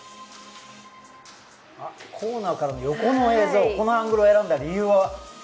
コーナーからの横の映像、これを選んだ理由は？